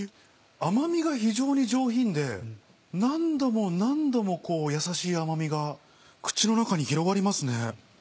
甘味が非常に上品で何度も何度もやさしい甘味が口の中に広がりますね。